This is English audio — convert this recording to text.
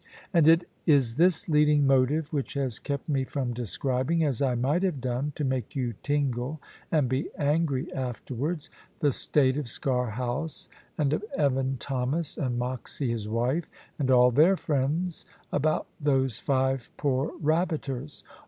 And it is this leading motive which has kept me from describing as I might have done, to make you tingle and be angry afterwards the state of Sker House, and of Evan Thomas, and Moxy his wife, and all their friends, about those five poor rabbiters.